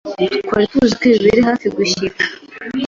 Twari tubizi ko ibi biri hafi gushyika